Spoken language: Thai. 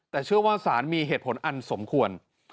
แต่เชื่อว่าสารมีเหตุผลอันสมควร